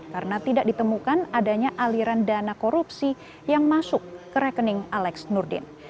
karena tidak ditemukan adanya aliran dana korupsi yang masuk ke rekening alex nurdin